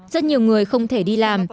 rất nhiều người không thể đi làm